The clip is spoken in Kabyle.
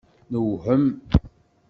Newhem.